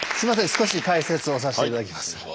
少し解説をさせて頂きます。